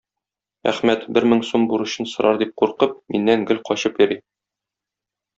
Әхмәт, бер мең сум бурычын сорар дип куркып, миннән гел качып йөри.